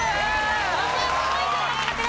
２５ポイント獲得です。